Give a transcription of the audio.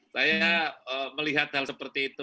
saya melihat hal seperti itu